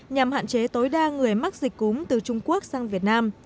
nhằm hạn chế tối đa người mắc dịch cúm từ trung quốc sang việt nam